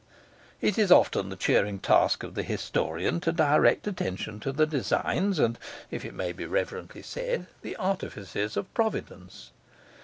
It is often the cheering task of the historian to direct attention to the designs and (if it may be reverently said) the artifices of Providence.